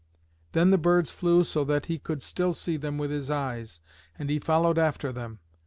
Then the birds flew so that he could still see them with his eyes, and he followed after them.